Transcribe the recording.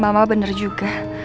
mama bener juga